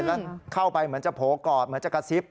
แล้วเข้าไปเหมือนจะโผล่กอดเหมือนจะกระซิบ